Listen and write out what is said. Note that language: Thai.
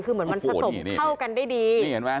คือเหมือนมันผสมเข้ากันได้ดี